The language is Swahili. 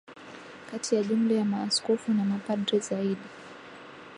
Kati ya jumla ya maaskofu na mapadre zaidi